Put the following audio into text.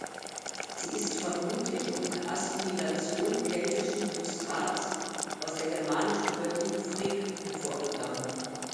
Sie ist vermutlich unter Assimilation keltischen Substrats aus der germanischen Göttin Frigg hervorgegangen.